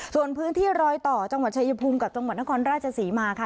ส่วนพื้นที่รอยต่อจังหวัดชายภูมิกับจังหวัดนครราชศรีมาค่ะ